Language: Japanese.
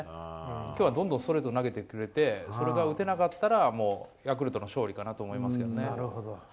今日はどんどんストレート投げてくれてそれが打てなかったらヤクルトの勝利かなと思いますね。